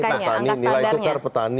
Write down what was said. angkanya angka standarnya